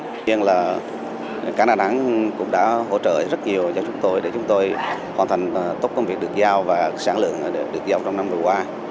tuy nhiên là cảng đà nẵng cũng đã hỗ trợ rất nhiều cho chúng tôi để chúng tôi hoàn thành tốt công việc được giao và sản lượng được giao trong năm vừa qua